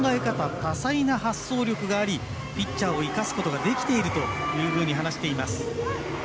多彩な発想力がありピッチャーを生かすことができていると話しています。